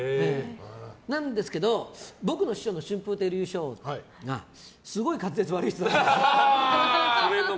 なんですけど、僕の師匠の春風亭柳昇がすごい滑舌が悪い人だったんですよ。